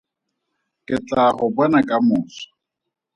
Ke tlaa go bona ka moso.